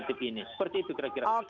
oke terima kasih